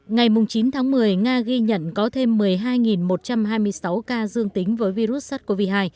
ngày chín tháng một mươi nga ghi nhận có thêm một mươi hai một trăm hai mươi sáu ca dương tính với virus sars cov hai